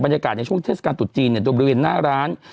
บรรยากาศในช่วงเทศกาลตุ๋วจีนเนี่ยตัวบริเวณหน้าร้าน